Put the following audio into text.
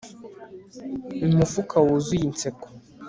Umufuka wuzuye inseko